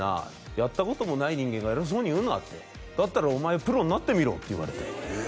「やったこともない人間が偉そうに言うな」って「だったらお前プロになってみろ」って言われてえっ？